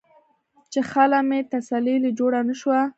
چې خله مې تسلۍ له جوړه نۀ شوه ـ